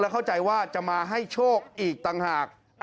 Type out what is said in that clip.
เข้าใจว่าจะมาให้โชคอีกต่างหาก